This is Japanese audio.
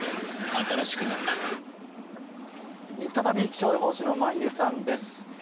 新しくなった再び気象予報士の眞家さんです。